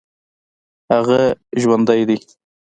هغه جوندى دى.